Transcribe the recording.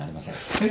えっ？